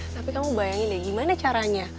tapi kamu bayangin deh gimana caranya